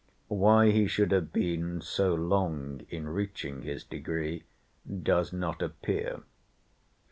Why he should have been so long in reaching his degree, does not appear.